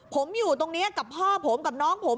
ผมอยู่ตรงนี้กับพ่อผมกับน้องผม